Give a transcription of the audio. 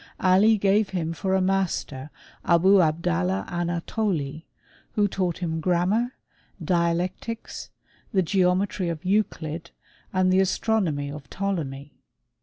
Ali gave him for a master Abou Abdallah Annatholi, who taught him grammar, dialectics, the geometry of Euclid, and the astronomy of Ptolemy.